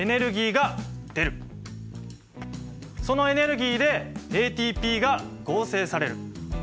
そのエネルギーでＡＴＰが合成される。